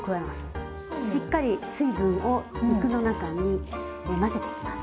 しっかり水分を肉の中に混ぜていきます。